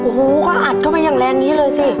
โอ้โหก็อัดเข้าไปอย่างแรงนี้เลยสิ